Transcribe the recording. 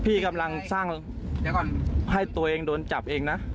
พี่กำลังสร้างให้ตัวเองโดนจับเองนะ